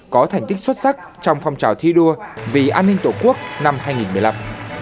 có thành tích xuất sắc trong phong trào thi đua vì an ninh tổ quốc năm hai nghìn một mươi năm